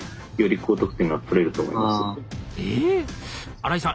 荒井さん